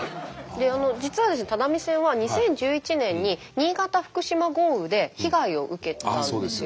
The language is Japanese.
実はですね只見線は２０１１年に新潟・福島豪雨で被害を受けたんですよね。